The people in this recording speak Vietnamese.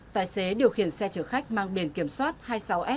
tài xế điều khiển xe trưởng khách mang biển kiểm soát hai mươi sáu a